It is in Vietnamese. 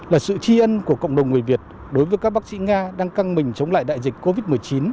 là sự tri ân của cộng đồng người việt đối với các bác sĩ nga đang căng mình chống lại đại dịch covid một mươi chín